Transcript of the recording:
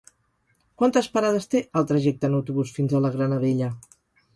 Quantes parades té el trajecte en autobús fins a la Granadella?